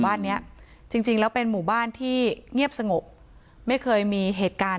บ้านเนี้ยจริงจริงแล้วเป็นหมู่บ้านที่เงียบสงบไม่เคยมีเหตุการณ์